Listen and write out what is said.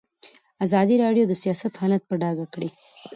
ازادي راډیو د سیاست حالت په ډاګه کړی.